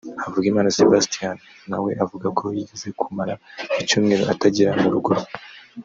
Havugimana Sebastien nawe avuga ko yigeze kumara icyumweru atagera mu rugo rwe